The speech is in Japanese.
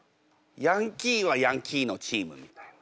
ヤンキーはヤンキーのチームみたいな。